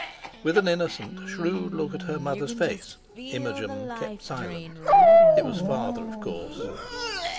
With an innocent shrewd look at her mother's face, Imogen kept silence. It was father, of course!